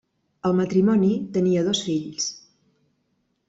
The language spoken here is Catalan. El matrimoni tenia dos fills.